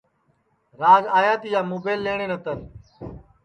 راج آیا تیا مُبیل لئیٹؔے نتر